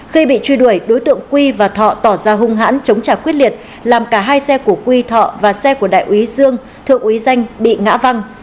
khi bị truy đuổi đối tượng quy và thọ tỏ ra hung hãn chống trả quyết liệt làm cả hai xe của quy thọ và xe của đại úy dương thượng úy danh bị ngã văng